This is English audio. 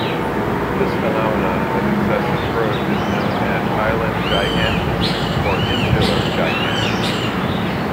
This phenomenon of excessive growth is known as island gigantism or insular gigantism.